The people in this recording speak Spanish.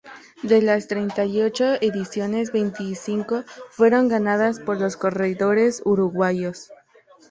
De las treinta y ocho ediciones, veinticinco fueron ganadas por corredores uruguayos.